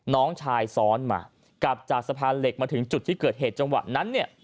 น้องชายซ้อนมากลับจากสะพานเหล็กมาถึงจุดที่เกิดเหตุจังหวะนั้นเนี่ย